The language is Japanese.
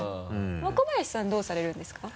若林さんどうされるんですか？